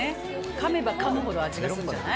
かめばかむほど味がするんじゃない？